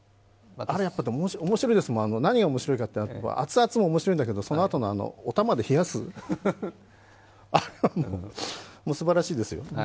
面白いですもん、何が面白いって、熱々も面白いですけどそのあとのお玉で冷やす、あれはホント、すばらしいですよ。